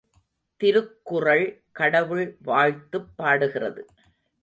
திருக்குறள் கடவுள் வாழ்த்துப் பாடுகிறது.